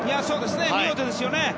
見事ですよね。